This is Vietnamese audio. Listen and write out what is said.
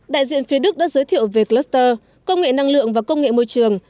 đại diện phía đức đã giới thiệu về cluster công nghệ năng lượng và công nghệ môi trường